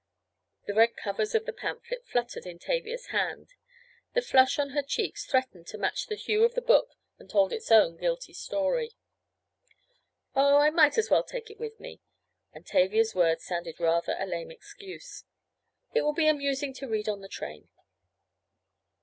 The red covers of the pamphlet fluttered in Tavia's hand. The flush on her cheeks threatened to match the hue of the book and told its own guilty story. "Oh, I might as well take it with me," and Tavia's words sounded rather a lame excuse. "It will be amusing to read on the train."